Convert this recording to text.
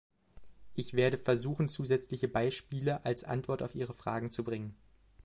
Ich werde versuchen, zusätzliche Beispiele als Antwort auf Ihre Fragen zu bringen.